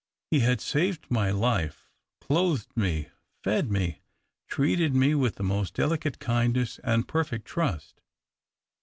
He had saved my life, clothed me, fed me, treated me with the most delicate kindness and perfect trust.